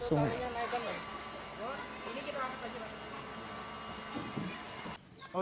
ini kita masuk